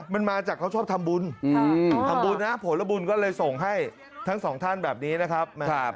มันมาจากเขาชอบทำบุญทำบุญนะผลบุญก็เลยส่งให้ทั้งสองท่านแบบนี้นะครับ